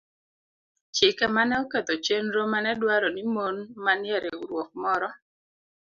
chike ma ne oketho chenro ma ne dwaro ni mon manie riwruok moro